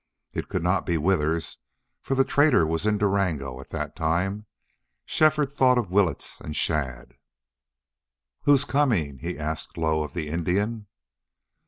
It could not be Withers, for the trader was in Durango at that time. Shefford thought of Willetts and Shadd. "Who's coming?" he asked low of the Indian.